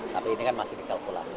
tapi ini kan masih dikalkulasi